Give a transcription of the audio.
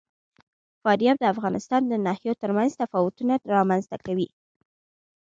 فاریاب د افغانستان د ناحیو ترمنځ تفاوتونه رامنځ ته کوي.